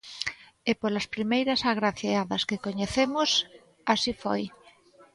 E polas primeiras agraciadas que coñecemos, así foi.